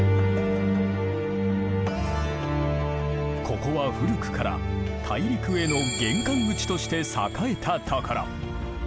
ここは古くから大陸への玄関口として栄えたところ。